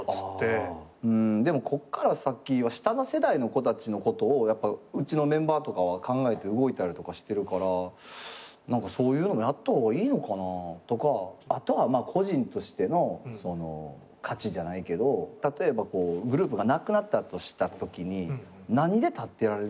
でもこっから先は下の世代の子たちのことをやっぱうちのメンバーとかは考えて動いたりとかしてるから何かそういうのやった方がいいのかなとかあとはまあ個人としてのその価値じゃないけど例えばこうグループがなくなったとしたときに何で立ってられるのかっていうのが。